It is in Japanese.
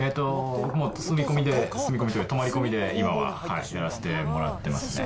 住み込みで、泊まり込みで今はやらせてもらってますね。